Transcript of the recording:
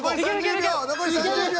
残り３０秒。